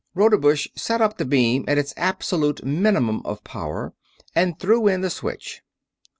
Rodebush set up the beam at its absolute minimum of power and threw in the switch.